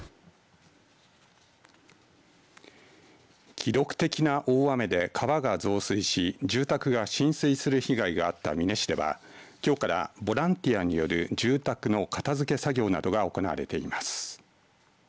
記録的な大雨で川が増水し住宅が浸水する被害があった美祢市ではきょうからボランティアによる住宅の片づけ作業などが行われています。